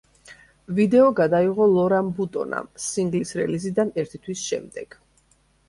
ვიდეო გადაიღო ლორან ბუტონამ, სინგლის რელიზიდან ერთი თვის შემდეგ.